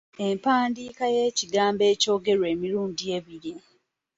Empandiika y’ekigambo ekyogerwa emirundi ebiri.